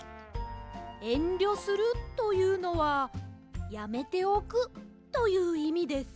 「えんりょする」というのは「やめておく」といういみです。